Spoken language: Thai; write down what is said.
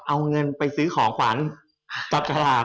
อ๋อเอาเงินไปซื้อของขวัญจัดขราบ